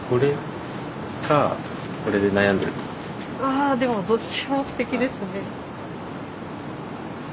あでもどっちもすてきですね。